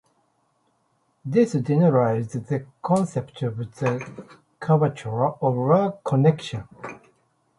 This generalizes the concept of the curvature of a connection.